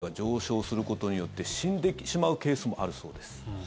ニワトリも、鶏舎の温度が上昇することによって死んでしまうケースもあるそうです。